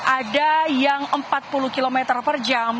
ada yang empat puluh km per jam